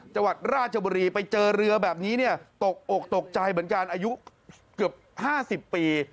จังหวัดราชบุรีไปเจอเรือแบบนี้เนี่ยตกอกตกใจเหมือนกันอายุเกือบ๕๐ปี